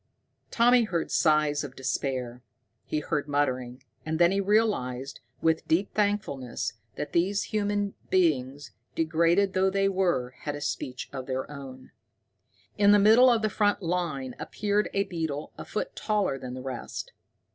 Tommy heard sighs of despair, he heard muttering, and then he realized, with deep thankfulness, that these human beings, degraded though they were, had a speech of their own. In the middle of the front line appeared a beetle a foot taller than the rest.